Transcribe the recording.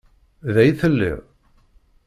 Da i telliḍ?